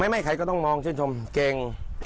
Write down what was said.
ไม่ใครก็ต้องมองชื่นชมเก่ง